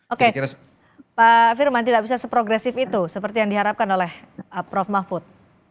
oke pak firman tidak bisa seprogresif itu seperti yang diharapkan oleh prof mahfud